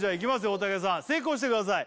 大竹さん成功してください